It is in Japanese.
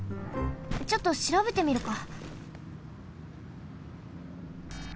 ちょっとしらべてみるか。